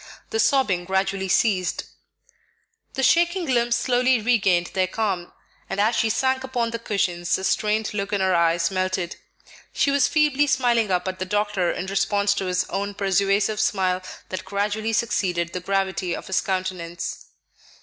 The sobbing gradually ceased; the shaking limbs slowly regained their calm; and as she sank upon the cushions the strained look in her eyes melted. She was feebly smiling up at the doctor in response to his own persuasive smile that gradually succeeded the gravity of his countenance.